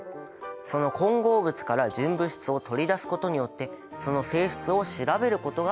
その混合物から純物質を取り出すことによってその性質を調べることができる。